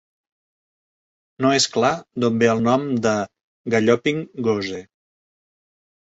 No és clar d'on ve el nom de "Galloping Goose".